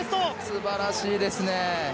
すばらしいですね。